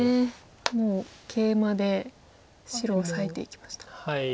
もうケイマで白を裂いていきました。